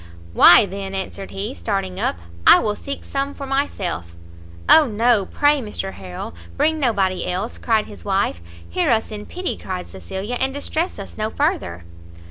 "Why then," answered he, starting up, "I will seek some for myself." "O no, pray, Mr Harrel, bring nobody else," cried his wife. "Hear us in pity," cried Cecilia, "and distress us no further."